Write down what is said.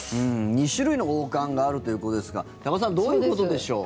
２種類の王冠があるということですが多賀さんどういうことでしょう？